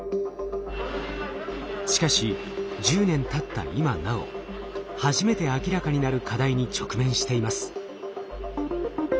しかし１０年たった今なお初めて明らかになる課題に直面しています。